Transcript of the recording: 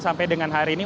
sampai dengan hari ini